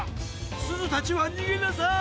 すずたちはにげなさい！